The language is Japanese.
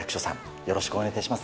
よろしくお願いします。